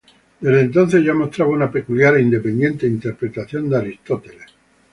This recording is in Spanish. Desde entonces ya mostraba una peculiar e independiente interpretación de Aristóteles.